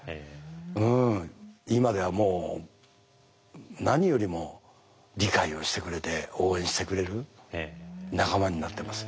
うん今ではもう何よりも理解をしてくれて応援してくれる仲間になってます。